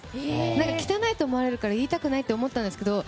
汚いと思うから言いたくなかったんですけど。